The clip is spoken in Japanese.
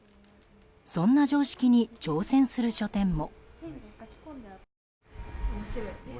そんな常識に挑戦する書店も。